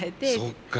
そっか。